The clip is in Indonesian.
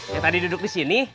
yang tadi duduk disini